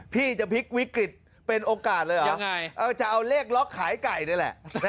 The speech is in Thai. พี่จะพลิกวิกฤตเป็นโอกาสเลยเหรอจะเอาเลขล็อกขายไก่นี่แหละ